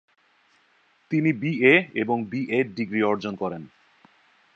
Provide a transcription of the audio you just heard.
তিনি বিএ এবং BEd degree অর্জন করেন।